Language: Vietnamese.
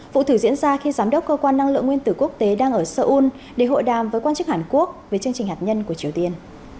vụ thử diễn ra khi giám đốc cơ quan năng lượng nguyên tử quốc tế đang ở seoul để hội đàm với quan chức hàn quốc về chương trình hạt nhân của triều tiên